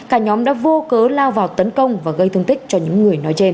cả nhóm đã vô cớ lao vào tấn công và gây thương tích cho những người nói trên